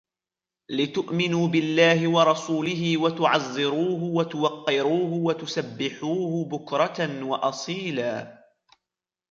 لِتُؤْمِنُوا بِاللَّهِ وَرَسُولِهِ وَتُعَزِّرُوهُ وَتُوَقِّرُوهُ وَتُسَبِّحُوهُ بُكْرَةً وَأَصِيلًا